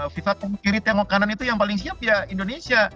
viva kiri tengok kanan itu yang paling siap ya indonesia